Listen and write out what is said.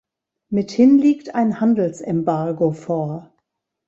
Mithin liegt ein Handelsembargo vor.